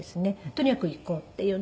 とにかく行こうっていうんで。